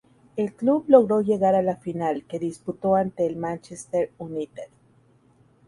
El club logró llegar a la final, que disputó ante el Manchester United.